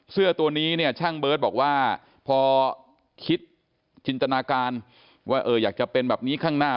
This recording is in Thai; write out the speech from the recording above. เสื้อตัวนี้เนี่ยช่างเบิร์ตบอกว่าพอคิดจินตนาการว่าอยากจะเป็นแบบนี้ข้างหน้า